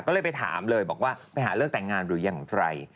ก็เลยไปถามเลยบอกว่าไปหาเลิกแต่งงานหรืออย่างไร